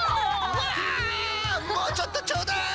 うわもうちょっとちょうだい！